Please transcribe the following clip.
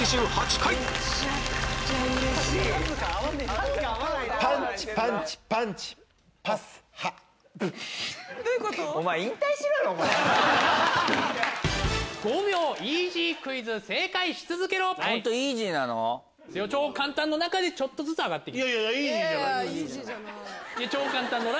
超簡単のラインの中でちょっとずつ上がって行く。